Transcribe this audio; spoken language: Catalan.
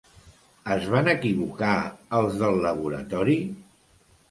Es van equivocar els del laboratori?